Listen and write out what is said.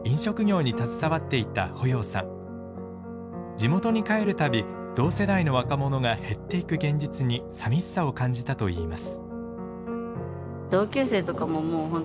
地元に帰る度同世代の若者が減っていく現実にさみしさを感じたといいます。